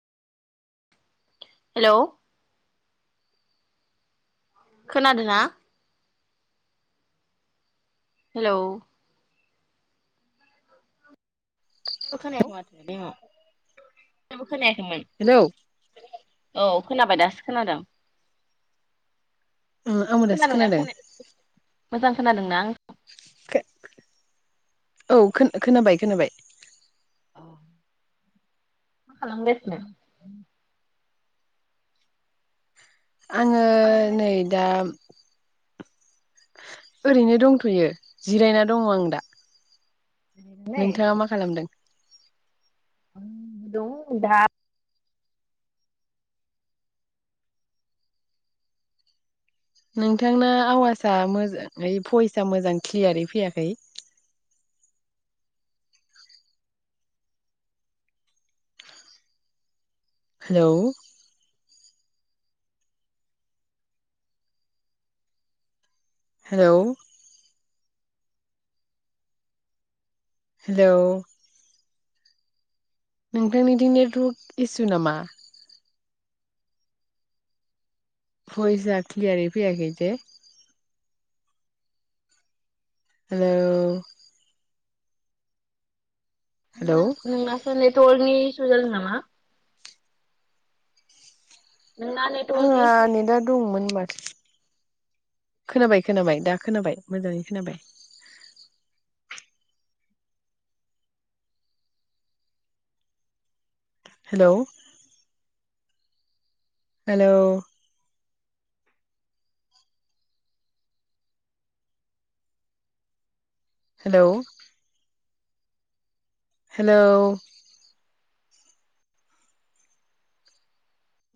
Hello खोनादों ना hello जेबो खोनायाखै माथो देमाव जेबो खोनायाखैमोन। हेलौ औ खोनाबाय दासो खोनादों ओ आंबो नों दासो खोनादोंना खोनादों खोनायासै? मोजां खोनादोंना आं खो औ खोना-खोनाबाय खोनाबाय औ मा खालाम गासिनो? आङो मा नै खालामगासिनो दा ओरैनो दंथ'यो। जिरायना दङ आं दा। नै नोंथाङा मा खालामदों? आं दं दा नोंथांना आवाजआ मोजांयै भइसया मोजां क्लियारै फैयाखै हेलौ हेलौ हेलौ नोंथांनि दि नेटवरक इसु नामा बइसआ मोजाङै क्लियारै फैयाखै जे। हेलौ हेलौ नोंना नोंनासो लेत दलनि इसु जादों नामा नोंना नेटवर्कनि आंहा इसु नेटा दंमोन माथो खोनाबाय खोनाबाय दा खोनाबाय मोजाङै खोनाबाय। Hello hello hello hello